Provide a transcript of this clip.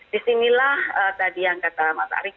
di sinilah tadi yang kata mas ari